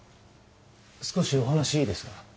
少しお話いいですか？